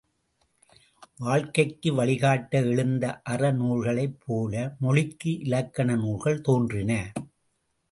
வாழ்க்கைக்கு வழிகாட்ட எழுந்த அறநூல்களைப் போல, மொழிக்கு இலக்கண நூல்கள் தோன்றின.